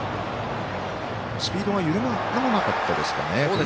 スピードが緩まなかったですかね。